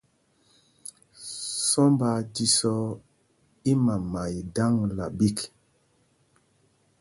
Sɔmb aa jīsɔ̄ɔ̄ ímama í daŋla ɓîk.